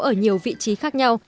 ở nhiều vị trí khác nhau